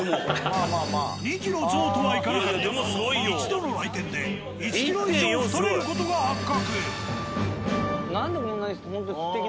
２ｋｇ増とはいかなかったが１度の来店で１ｋｇ以上太れる事が発覚。